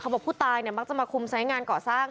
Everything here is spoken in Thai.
บอกผู้ตายมักจะมาคุมสายงานก่อสร้าง